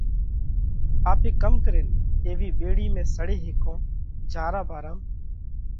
آپي ڪم ڪرينَ ايوِي ٻيڙِي ۾ سڙي هيڪونه جيا را ڀارام